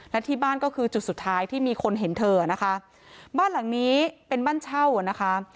และที่บ้านก็คือจุดสุดท้ายที่มีคนเห็นเธอนะคะบ้านหลังนี้เป็นบ้านเช่าอ่ะนะคะ